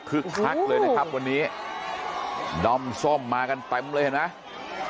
คักเลยนะครับวันนี้ด้อมส้มมากันเต็มเลยเห็นไหม